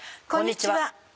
こんにちは。